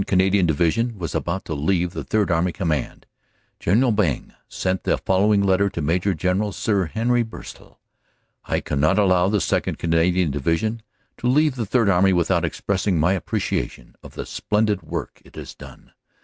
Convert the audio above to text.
Canadian Division was about to leave the Third Army Command, General Byng sent the following letter to M a j. General Sir Henry Burstall: "I cannot allow the 2nd. Canadian Division to leave the Third Army without expressing my appreciation of the splendid work it has done.